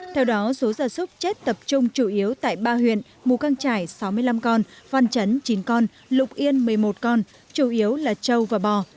theo đó số gia súc chết tập trung chủ yếu tại ba huyện mù căng trải sáu mươi năm con văn chấn chín con lục yên một mươi một con chủ yếu là châu và bò